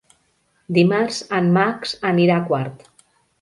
Dimarts en Max anirà a Quart.